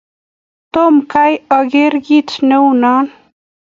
Tom kai akere kit ne u no.